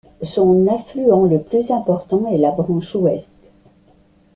Son affluent le plus important est la branche ouest.